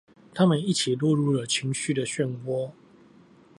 他們一起落入了情緒的旋渦